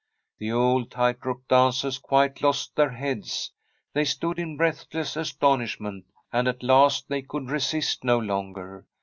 The old tight rope dancers quite lost their heads. They stood in breathless astonishment, and at last they could resist no longer.